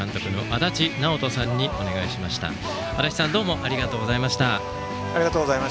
足達さんありがとうございました。